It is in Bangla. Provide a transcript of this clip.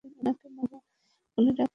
উনাকে বাবা বলে ডাকতাম।